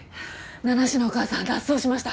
名無しのお母さん脱走しました。